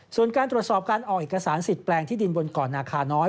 ส่วนการตรวจสอบการออกเอกสารสิทธิแปลงที่ดินบนก่อนนาคาน้อย